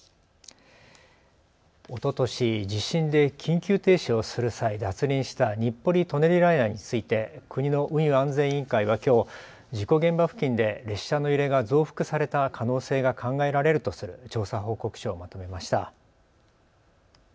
おととし、地震で緊急停止をする際、脱輪した日暮里・舎人ライナーについて国の運輸安全委員会はきょう事故現場付近で列車の揺れが増幅された可能性が考えられるとする調査報告書をまとめました。